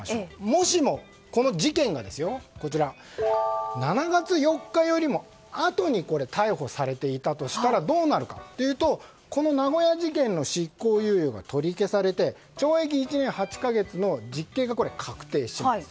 もしも、この事件が７月４日よりあとに逮捕されていたとしたらどうなるかというとこの名古屋事件の執行猶予が取り消されて懲役１年８か月の実刑が確定します。